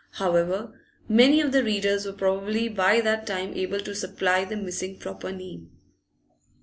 However, many of the readers were probably by that time able to supply the missing proper name.